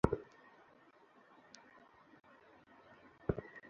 সে বড্ড রুঢ় ছিল, তাই না?